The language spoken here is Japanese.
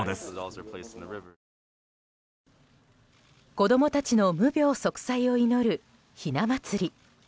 子供たちの無病息災を祈るひな祭り。